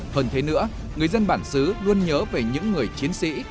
hơn thế nữa người dân bản xứ luôn nhớ về những người chiến sĩ